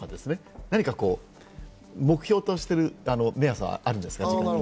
何か目標としている目安はあるんですか？